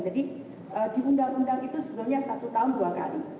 di undang undang itu sebenarnya satu tahun dua kali